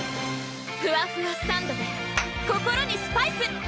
ふわふわサンドｄｅ心にスパイス！